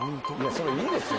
それいいですよ！